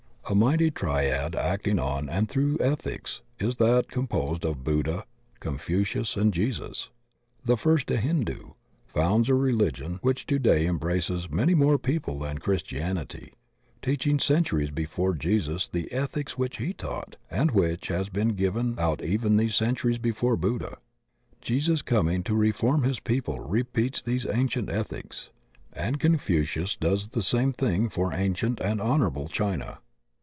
A mighty Triad acting on and through ethics is that composed of Buddha, Confucius, and Jesus. The first, a Hindu, founds a religion which today embraces many more people than Christianity, teaching centu ries before Jesus the ethics which he taught and which had been given out even centuries before Buddha. Jesus coming to reform his people repeats these ancient ethics, and Confucius does the same thing for ancient and honorable China.